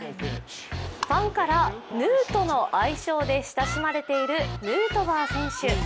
ファンからヌートの愛称で親しまれているヌートバー選手。